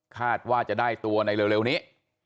คาดว่าจะได้ตัวในเร็วนี้